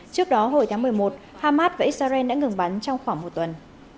trước đó hồi tháng một mươi một hamas và israel đã ngừng bắn trong khoảng một tuần